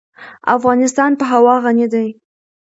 افغانستان په هوا غني دی.